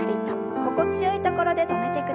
心地よいところで止めてください。